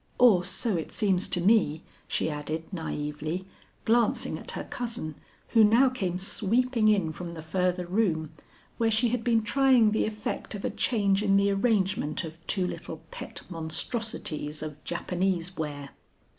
Or so it seems to me," she added naively, glancing at her cousin who now came sweeping in from the further room, where she had been trying the effect of a change in the arrangement of two little pet monstrosities of Japanese ware.